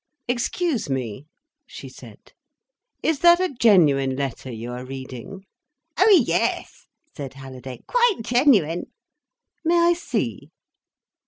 "Excuse me," she said. "Is that a genuine letter you are reading?" "Oh yes," said Halliday. "Quite genuine." "May I see?"